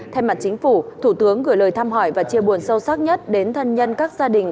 thay mặt chính phủ thủ tướng gửi lời thăm hỏi và chia buồn sâu sắc nhất đến thân nhân các gia đình